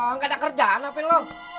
enggak ada kerjaan apa in lu